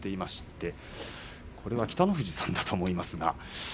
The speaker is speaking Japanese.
写真は北の富士さんだと思います。